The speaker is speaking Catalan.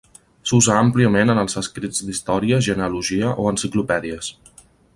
S'usa àmpliament en els escrits d'història, genealogia o enciclopèdies.